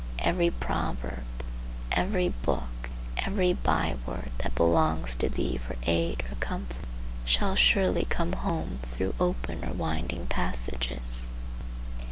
Every proverb, every book, every byword that belongs to thee for aid or comfort, shall surely come home through open or winding passages.